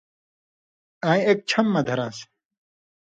ایں اک چھم مہ دھران٘س